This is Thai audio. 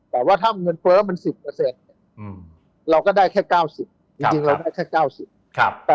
แต่ว่าถ้าเงินเฟ้อมัน๑๐เนี่ยเราก็ได้แค่๙๐จริงเราได้แค่๙๐บาท